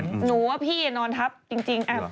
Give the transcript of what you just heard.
หนูว่าพี่แอร์นอนทัฟจริง